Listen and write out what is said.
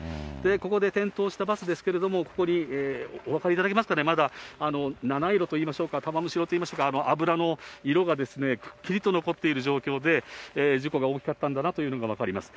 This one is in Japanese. ここで転倒したバスですけれども、ここに、お分かりいただけますかね、まだ七色といいましょうか、玉虫色といいましょうか、油の色がくっきりと残っている状況で、事故が大きかったんだなというのが分かります。